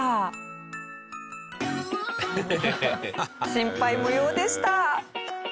心配無用でした。